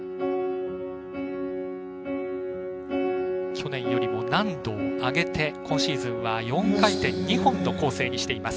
去年よりも難度を上げて今シーズンは４回転２本の構成にしています。